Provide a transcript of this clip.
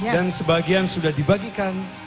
dan sebagian sudah dibagikan